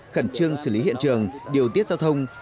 khẩn trương xử lý hiện trường điều tiết giao thông